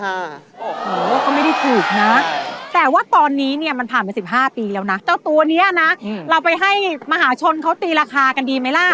โอ้โหก็ไม่ได้ถูกนะแต่ว่าตอนนี้เนี่ยมันผ่านไป๑๕ปีแล้วนะเจ้าตัวนี้นะเราไปให้มหาชนเขาตีราคากันดีไหมล่ะ